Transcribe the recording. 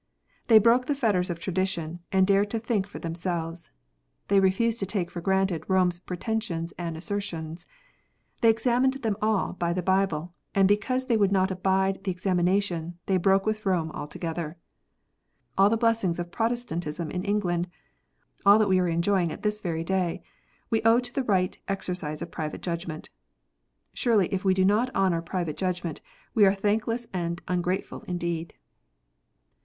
They broke the fetters of tradition, and dared to think for themselves. They refused to take for granted Rome s preten sions and assertions. They examined them all by the Bible, and because they would not abide the examination, they broke with Rome altogether. All the blessings of Protestantism in England, all that we are enjoying at this very day, we owe to the right exercise of private judgment. Surely if we do not honour private judgment, we are thankless and ungrateful indeed